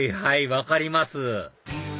分かります